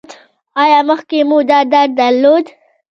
ایا مخکې مو دا درد درلود؟